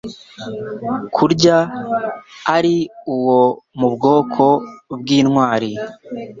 Kurya ari uwo mu bwoko bw' intwari;